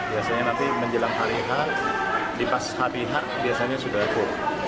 biasanya nanti menjelang hari h di pas hari h biasanya sudah full